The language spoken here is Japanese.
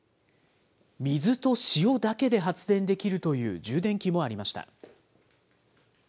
水と塩だけで発電できるという充電器もありました。